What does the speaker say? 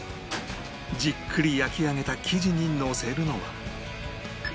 じっくり焼き上げた生地にのせるのは